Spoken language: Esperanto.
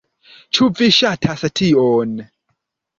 Ĉu vi ŝatas tion?